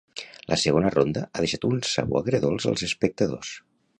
La segona ronda ha deixat un sabor agredolç als espectadors.